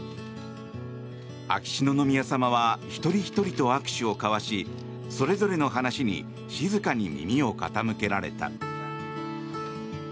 秋篠宮さまは一人ひとりと握手を交わしそれぞれの話に静かに耳を傾けられた。